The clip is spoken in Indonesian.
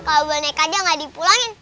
kalau bonekanya gak dipulangin